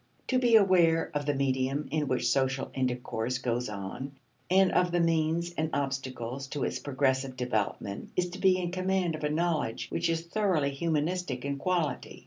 To be aware of the medium in which social intercourse goes on, and of the means and obstacles to its progressive development is to be in command of a knowledge which is thoroughly humanistic in quality.